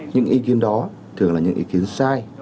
những ý kiến đó thường là những ý kiến sai